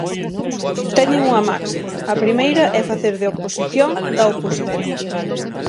Teñen unha máxima, a primeira é facer de oposición da oposición.